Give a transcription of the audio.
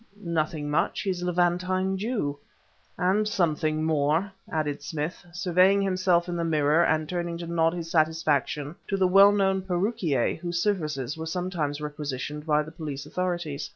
"Nothing much. He's a Levantine Jew." "And something more!" added Smith, surveying himself in the mirror, and turning to nod his satisfaction to the well known perruquier whose services are sometimes requisitioned by the police authorities.